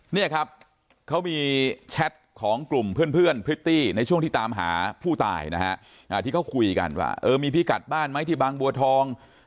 เนี่ยครับเขามีแชทของกลุ่มเพื่อนพริตตี้ในช่วงที่ตามหาผู้ตายนะฮะที่เขาคุยกันว่าเออมีพิกัดบ้านไหมที่บางบัวทอง